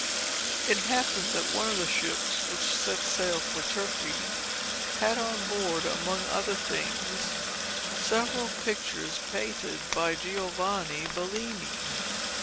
It happened that one of the ships which set sail for Turkey had on board among other things several pictures painted by Giovanni Bellini.